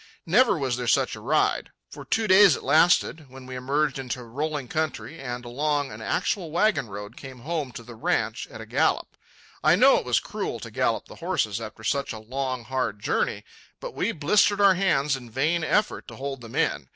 Never was there such a ride. For two days it lasted, when we emerged into rolling country, and, along an actual wagon road, came home to the ranch at a gallop. I know it was cruel to gallop the horses after such a long, hard journey; but we blistered our hands in vain effort to hold them in.